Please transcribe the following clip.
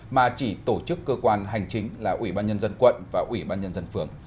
mà chỉ tổ chức cơ quan hành chính là ủy ban nhân dân quận và ủy ban nhân dân phường